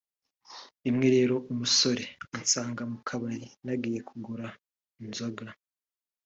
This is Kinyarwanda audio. rimwe rero umusore ansanga mu kabari nagiye kugura inzoga